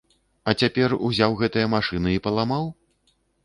А цяпер узяў гэтыя машыны і паламаў?